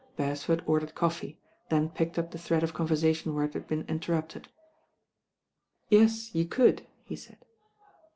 Beresford ordered coffee, then picked up the thread of conversation where it had been interrupted. "Yes, you could," he said.